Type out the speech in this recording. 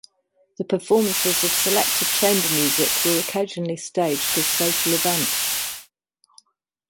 The performances of selected chamber music were occasionally staged as social events.